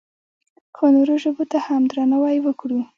خو نورو ژبو ته هم درناوی وکړو.